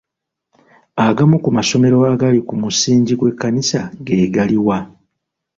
Agamu ku masomero agali ku musingi gw'ekkanisa ge gali wa?